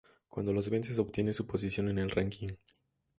Cuando los vences obtienes su posición en el ranking.